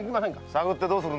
探ってどうする？